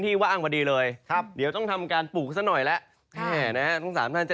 ทำอะไรถึงจะรวยกับเขาบ้างเนี่ย